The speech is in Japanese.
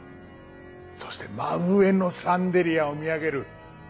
そして真上のシャンデリアを見上げる。